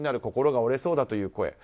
心が折れそうだという声。